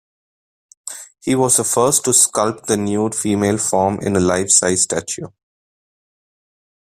He was the first to sculpt the nude female form in a life-size statue.